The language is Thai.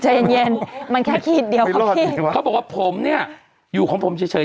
เย็นเย็นมันแค่ขีดเดียวครับพี่เขาบอกว่าผมเนี่ยอยู่ของผมเฉย